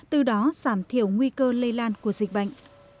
từ đó giảm thiểu nguy cơ lây lan của dịch bệnh